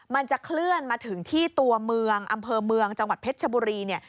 มันจะเคลื่อนมาถึงที่ตัวเมืองอำเภอเมืองจังหวัดเพชรชบุรีเนี่ย